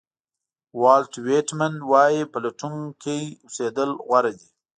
والټ وېټمن وایي پلټونکی اوسېدل غوره دي.